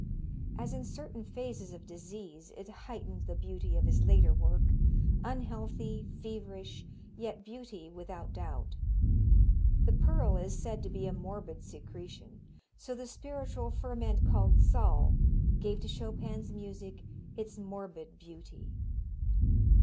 As in certain phases of disease it heightened the beauty of his later work, unhealthy, feverish, yet beauty without doubt. The pearl is said to be a morbid secretion, so the spiritual ferment called Zal gave to Chopin's music its morbid beauty.